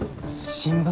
新聞。